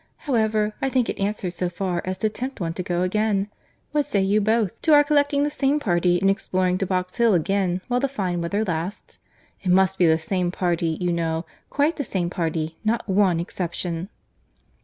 However, I think it answered so far as to tempt one to go again. What say you both to our collecting the same party, and exploring to Box Hill again, while the fine weather lasts?—It must be the same party, you know, quite the same party, not one exception."